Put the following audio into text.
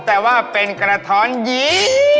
แต่ว่าเป็นกระท้อนยี